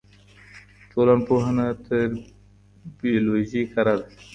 ټولنپوهنه تر بیولوژي کره ده.